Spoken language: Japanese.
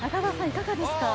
いかがですか？